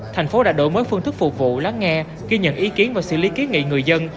thành phố đã đổi mới phương thức phục vụ lắng nghe ghi nhận ý kiến và xử lý ký nghị người dân